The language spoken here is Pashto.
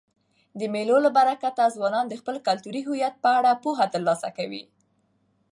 د مېلو له برکته ځوانان د خپل کلتوري هویت په اړه پوهه ترلاسه کوي.